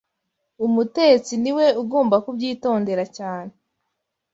Umutetsi ni we ugomba kubyitondera cyane